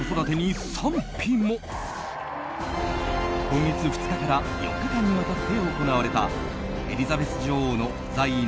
今月２日から４日間にわたって行われたエリザベス女王の在位